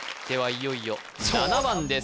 いよいよ７番です